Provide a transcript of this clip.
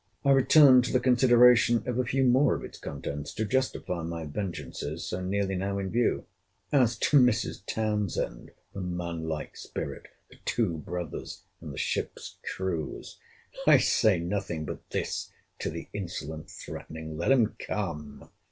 I return to the consideration of a few more of its contents, to justify my vengeances so nearly now in view. As to Mrs. Townsend,—her manlike spirit—her two brothers—and the ships' crews—I say nothing but this to the insolent threatening—Let 'em come!